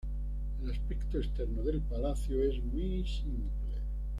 El aspecto externo del palacio es muy simple.